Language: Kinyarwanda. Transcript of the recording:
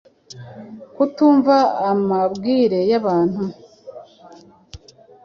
Kutumva amabwire y’abantu